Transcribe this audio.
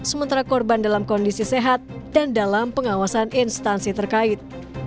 sementara korban dalam kondisi sehat dan dalam pengawasan instansi terkait